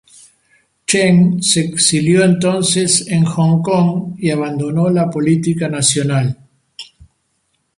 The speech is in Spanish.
Chen se exilió entonces en Hong Kong y abandonó la política nacional.